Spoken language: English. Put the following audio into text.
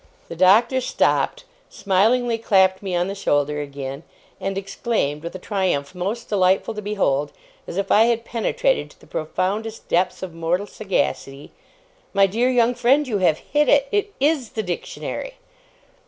The Doctor stopped, smilingly clapped me on the shoulder again, and exclaimed, with a triumph most delightful to behold, as if I had penetrated to the profoundest depths of mortal sagacity, 'My dear young friend, you have hit it. It IS the Dictionary!